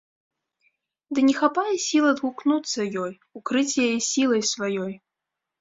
Ды не хапае сіл адгукнуцца ёй, укрыць яе сілай сваёй.